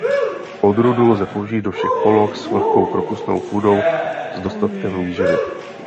Odrůdu lze použít do všech poloh s vlhkou propustnou půdou s dostatkem výživy.